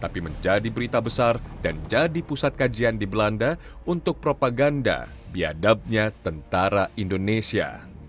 tapi menjadi berita besar dan jadi pusat kajian di belanda untuk propaganda biadabnya tentara indonesia